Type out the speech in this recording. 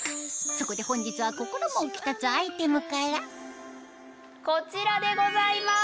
そこで本日は心も浮き立つアイテムからこちらでございます！